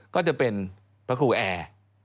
ก็จะเป็นพระครูแอร์